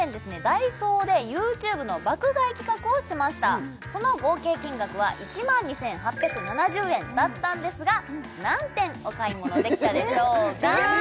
ＤＡＩＳＯでＹｏｕＴｕｂｅの爆買い企画をしましたその合計金額は１万２８７０円だったんですが何点お買い物できたでしょうか？